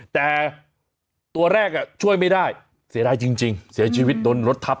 แต่ตัวแรกช่วยไม่ได้เสียดายจริงเสียชีวิตโดนรถทับ